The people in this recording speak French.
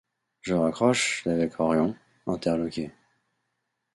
Je raccroche d’avec Orion, interloquée.